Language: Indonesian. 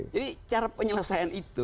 jadi cara penyelesaian itu